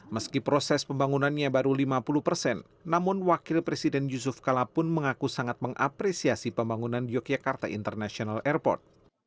meski proses pembangunannya baru lima puluh persen namun wakil presiden yusuf kala pun mengaku sangat mengapresiasi pembangunan yogyakarta international airport